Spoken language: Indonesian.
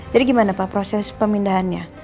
jadi gimana pak proses pemindahannya